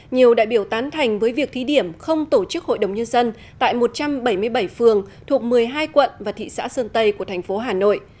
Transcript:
nhiều đại biểu tán thành với việc thí điểm không tổ chức hội đồng nhân dân tại một trăm bảy mươi bảy phường thuộc một mươi hai quận và thị xã sơn tây của thành phố hà nội